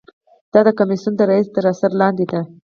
دا د کمیسیون د رییس تر اثر لاندې ده.